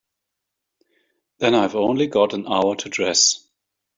Then I've only got an hour to dress.